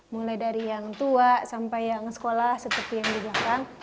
mulai dari yang tua sampai yang sekolah seperti yang di belakang